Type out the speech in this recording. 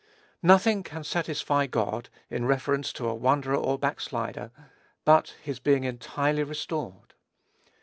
Nothing can satisfy God, in reference to a wanderer or backslider, but his being entirely restored.